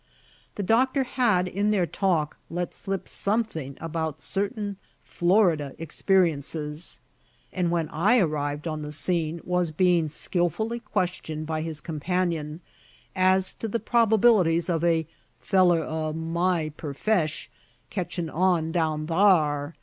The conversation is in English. The Doctor had, in their talk, let slip something about certain Florida experiences, and when I arrived on the scene was being skillfully questioned by his companion as to the probabilities of "a feller o' my perfesh ketch'n' on, down thar?"